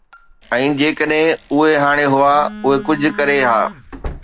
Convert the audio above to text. ۽ جيڪڏهن اهي هاڻي هئا، اهي ڪجهه ڪري ها.